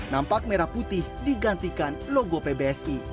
nampak merah putih digantikan logo pbsi